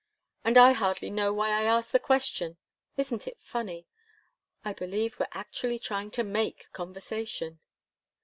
"And I hardly know why I asked the question. Isn't it funny? I believe we're actually trying to make conversation!"